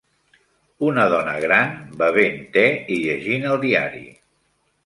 Una dona gran bevent te i llegint el diari.